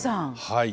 はい。